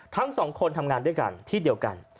ทั้งสองคนทำงานด้วยกันที่เดียวกัน